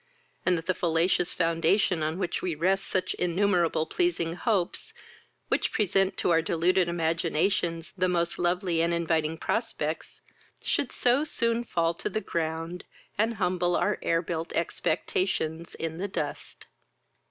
and that the fallacious foundation on which we rest such innumerable pleasing hopes, which present to our deluded imaginations the most lovely and inviting prospects, should so soon fall to the ground, and humble our air built expectations in the dust!